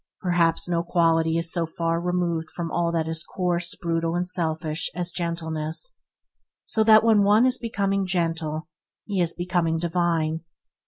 Perhaps no quality is so far removed from all that is coarse, brutal and selfish as gentleness, so that when one is becoming gentle, he is becoming divine.